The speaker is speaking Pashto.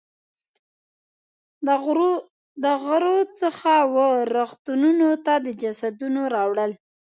د غرو څخه وه رغتونونو ته د جسدونو راوړل.